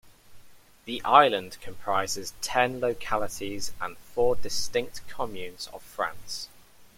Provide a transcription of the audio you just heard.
The island comprises ten localities and four distinct Communes of France.